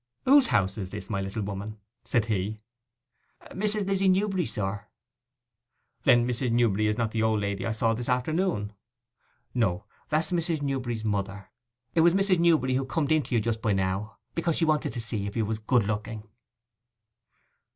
'Whose house is this, my little woman,' said he. 'Mrs. Lizzy Newberry's, sir.' 'Then Mrs. Newberry is not the old lady I saw this afternoon?' 'No. That's Mrs. Newberry's mother. It was Mrs. Newberry who comed in to you just by now, because she wanted to see if you was good looking.